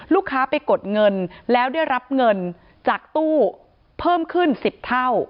ลูกค้าไปกดเงินแล้วได้รับเงินจากตู้เพิ่มขึ้น๑๐เท่า